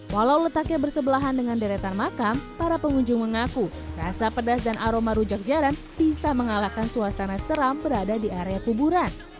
walau letaknya bersebelahan dengan deretan makam para pengunjung mengaku rasa pedas dan aroma rujak jaran bisa mengalahkan suasana seram berada di area kuburan